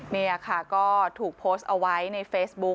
นี่ค่ะก็ถูกโพสต์เอาไว้ในเฟซบุ๊ค